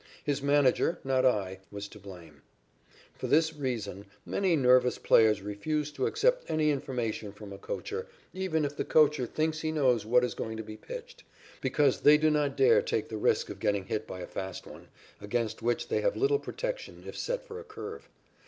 His manager, not I, was to blame. For this reason many nervous players refuse to accept any information from a coacher, even if the coacher thinks he knows what is going to be pitched, because they do not dare take the risk of getting hit by a fast one, against which they have little protection if set for a curve.